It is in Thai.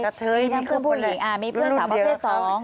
มีทั้งเพื่อนผู้หญิงมีเพื่อนสาวว่าเพศ๒